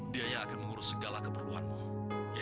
dia yang akan mengurus segala keperluanmu